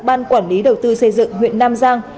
ban quản lý đầu tư xây dựng huyện nam giang